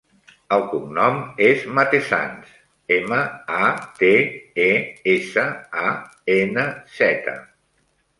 El cognom és Matesanz: ema, a, te, e, essa, a, ena, zeta.